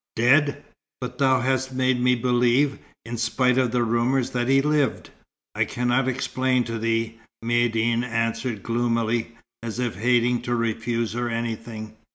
"Dead! But thou hast made me believe, in spite of the rumours, that he lived." "I cannot explain to thee," Maïeddine answered gloomily, as if hating to refuse her anything.